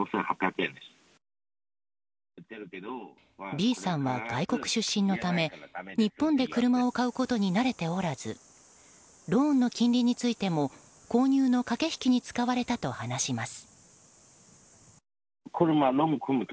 Ｂさんは外国出身のため日本で車を買うことに慣れておらずローンの金利についても購入の駆け引きに使われたと話します。